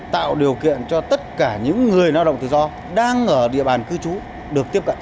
tạo điều kiện cho tất cả những người lao động tự do đang ở địa bàn cư trú được tiếp cận